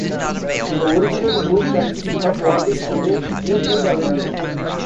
The original route consisted of what is today Euclid Avenue.